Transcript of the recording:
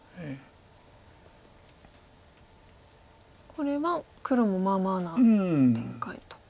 これは黒もまあまあな展開と。